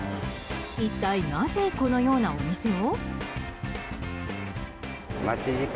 一体なぜ、このようなお店を？